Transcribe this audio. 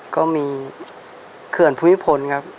ก็มีเขื่อนภูมิพลครับ